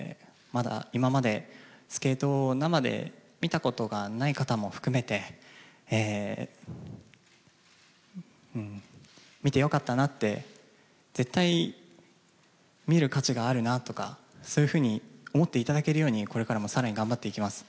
まだ今までスケートを生で見たことがない方も含めて見てよかったなって、絶対見る価値があるなとか、そういうふうに思っていただけるようにこれからも更に頑張っていきます。